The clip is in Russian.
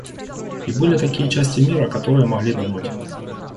И были такие части мира, которые могли думать.